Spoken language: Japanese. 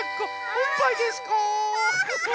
おっぱいですか？